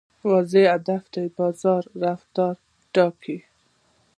واضح هدف د بازار رفتار ټاکي.